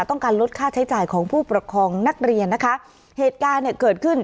ต้องการลดค่าใช้จ่ายของผู้ประคองนักเรียนนะคะเหตุการณ์เนี่ยเกิดขึ้น